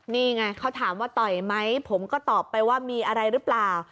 นี่ไงเขาถามว่าต่อยไหมผมก็ตอบไปว่ามีอะไรหรือเปล่า